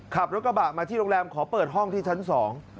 ขับรถกระบะมาที่โรงแรมขอเปิดห้องที่ชั้นสอง